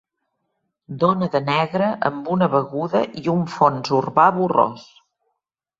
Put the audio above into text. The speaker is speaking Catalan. Dona de negre amb una beguda i un fons urbà borrós.